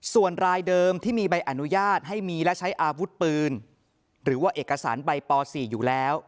ส่วนรายเดิมที่มีใบอนุญาตให้มีและใช้อาวุธปืนหรือว่าเอกสารใบป๔อยู่แล้ว